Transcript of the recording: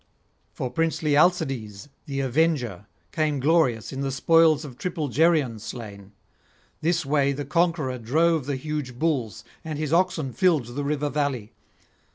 For princely Alcides the avenger came glorious in the spoils of triple Geryon slain; this way the Conqueror drove the huge bulls, and his oxen filled the river valley.